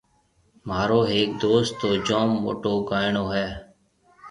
مهارو هيَڪ دوست تو جوم موٽو گائيڻو هيَ۔